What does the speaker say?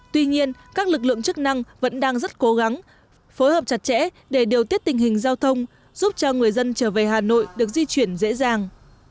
tuy nhiên các lực lượng chức năng vẫn đang rất cố gắng phối hợp chặt chẽ để điều tiết tình hình giao thông giúp cho người dân trở về hà nội được di chuyển dễ dàng